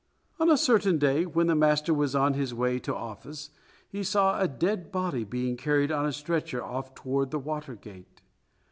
On a certain day when the master was on his way to office, he saw a dead body being carried on a stretcher off toward the Water Gate.